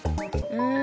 うん。